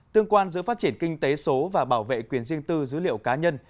tương quan giữa phát triển kinh tế số và bảo vệ quyền riêng tư dữ liệu cá nhân